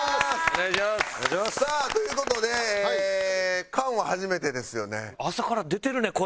さあという事で菅は初めてですよね？